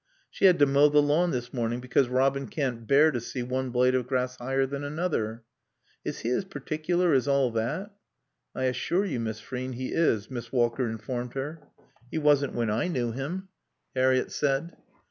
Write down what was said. "She had to mow the lawn this morning because Robin can't bear to see one blade of grass higher than another." "Is he as particular as all that?" "I assure you, Miss Frean, he is," Miss Walker informed her. "He wasn't when I knew him," Harriett said.